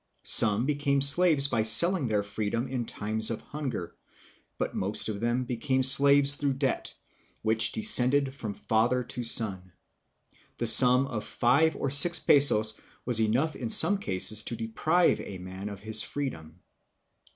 Some became slaves by selling their freedom in times of hunger. But most of them became slaves through debt, which de scended from father to son. A debt of five or six pesos was enough in some cases to deprive a man of his freedom.